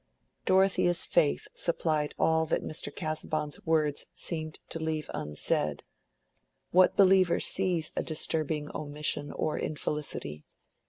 Dorothea's faith supplied all that Mr. Casaubon's words seemed to leave unsaid: what believer sees a disturbing omission or infelicity?